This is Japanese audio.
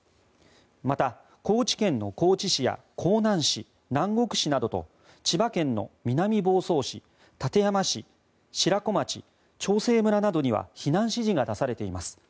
また、高知県の高知市や香南市南国市などと千葉県の南房総市館山市、白子町、長生村などには避難指示が出されています。